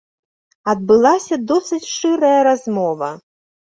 Адбылася досыць шчырая размова.